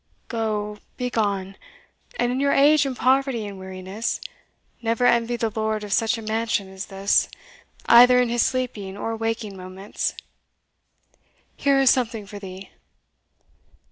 Go, begone! and in your age and poverty and weariness, never envy the lord of such a mansion as this, either in his sleeping or waking moments Here is something for thee."